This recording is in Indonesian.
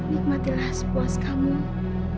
nikmatilah sepuas kamu